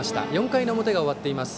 ４回の表が終わっています。